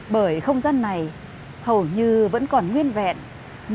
bởi không gian này hầu như vẫn còn nguyên vẹn